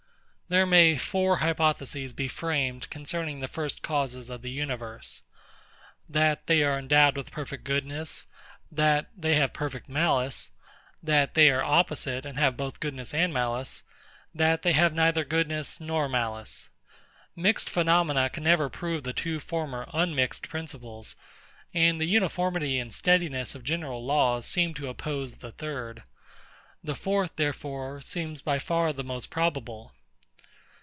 There may four hypotheses be framed concerning the first causes of the universe: that they are endowed with perfect goodness; that they have perfect malice; that they are opposite, and have both goodness and malice; that they have neither goodness nor malice. Mixed phenomena can never prove the two former unmixed principles; and the uniformity and steadiness of general laws seem to oppose the third. The fourth, therefore, seems by far the most probable.